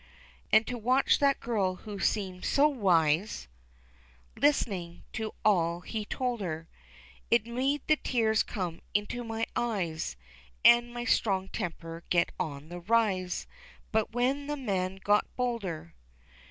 And to watch that girl, who seemed so wise, Listenin' to all he told her, It made the tears come into my eyes, An' my strong temper get on the rise. But when the man got bolder.